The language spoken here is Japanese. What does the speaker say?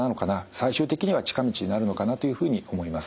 最終的には近道になるのかなというふうに思います。